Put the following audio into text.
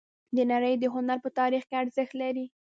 د نړۍ د هنر په تاریخ کې ارزښت لري